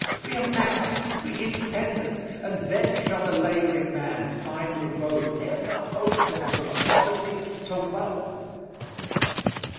Be a man, be independent, and then shall the laboring man find the road ever open from poverty to wealth.